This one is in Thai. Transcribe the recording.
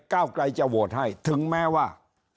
ก้าวไกลจะโหวตให้ถึงแม้ว่า